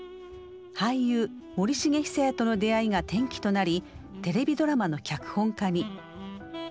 俳優森繁久彌との出会いが転機となりテレビドラマの脚本家に。